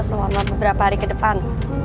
selama beberapa hari kedepan